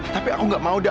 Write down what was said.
tapi aku gak mau da